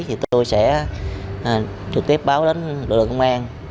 thì tôi sẽ trực tiếp báo đến đội lực công an